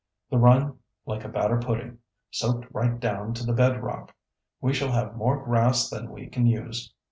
"The run like a batter pudding, soaked right down to the bed rock. We shall have more grass than we can use.